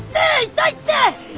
痛いって！